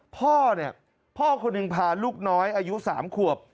พ่อเนี่ยพ่อคนหนึ่งพาลูกน้อยอายุ๓ขวบ